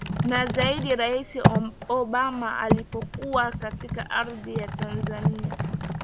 na zaidi Rais Obama alipokuwa katika ardhi ya Tanzania